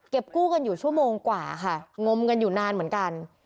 กู้กันอยู่ชั่วโมงกว่าค่ะงมกันอยู่นานเหมือนกัน